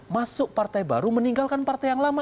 masuk partai baru meninggalkan partai yang lama